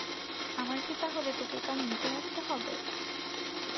আমার কি তাহলে তোকে কাল নিতে আসতে হবে?